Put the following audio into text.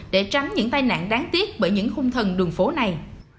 để tránh những tai nạn đáng tiếc bởi những khung thần đường phố này